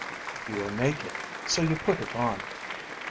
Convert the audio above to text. You are naked, so you put it on.